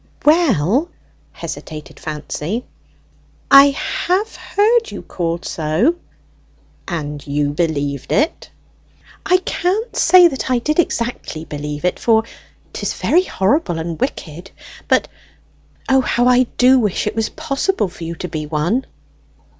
"Well," hesitated Fancy, "I have heard you called so." "And you believed it?" "I can't say that I did exactly believe it, for 'tis very horrible and wicked; but, O, how I do wish it was possible for you to be one!"